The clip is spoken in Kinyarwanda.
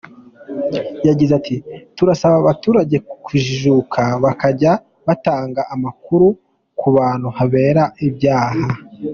Yagize ati “Turasaba abaturage kujijuka bakajya batanga amakuru ku hantu habera ibyaha.